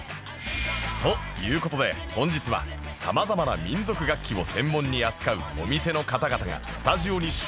という事で本日は様々な民族楽器を専門に扱うお店の方々がスタジオに集結